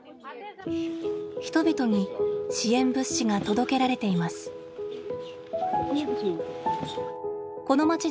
人々に支援物資が届けられています。